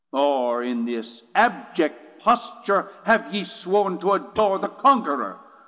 Or in this abject posture have ye sworn To adore the Conquerour?